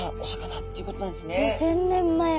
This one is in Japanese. ５，０００年前も。